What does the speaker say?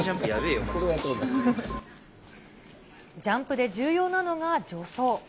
ジャンプで重要なのが助走。